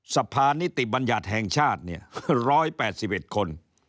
สะพานิติบัญญาณแห่งชาติเนี่ยร้อยแปดสิบเอ็ดคน